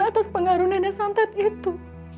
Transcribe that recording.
atas pengaruh nenek santet itu